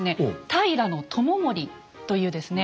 平知盛というですね